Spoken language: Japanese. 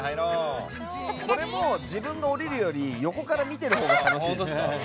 これも自分が下りるより横から見てるほうが楽しいですね。